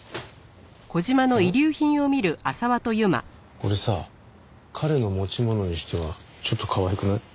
これさ彼の持ち物にしてはちょっとかわいくない？